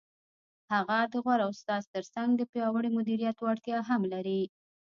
هغه د غوره استاد تر څنګ د پیاوړي مدیریت وړتیا هم لري.